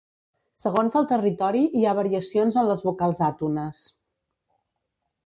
Segons el territori hi ha variacions en les vocals àtones.